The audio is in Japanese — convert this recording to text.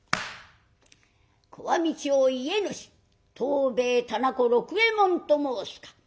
「小網町家主藤兵衛店子六右衛門と申すか？